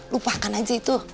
lupakan aja itu